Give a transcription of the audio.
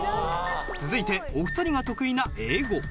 続いてお二人が得意な英語。